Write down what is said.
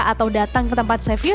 atau datang ke tempat sevinci